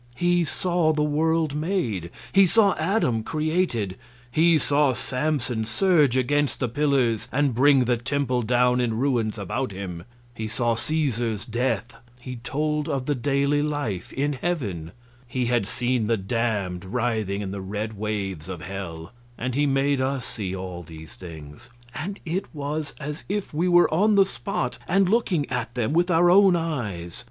He saw the world made; he saw Adam created; he saw Samson surge against the pillars and bring the temple down in ruins about him; he saw Caesar's death; he told of the daily life in heaven; he had seen the damned writhing in the red waves of hell; and he made us see all these things, and it was as if we were on the spot and looking at them with our own eyes.